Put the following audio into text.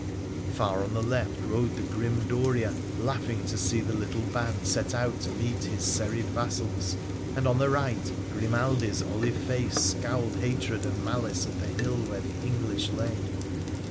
Far on the left rode the grim Doria, laughing to see the little band set out to meet his serried vassals, and, on the right, Grimaldi's olive face scowled hatred and malice at the hill where the English lay.